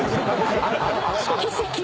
奇跡。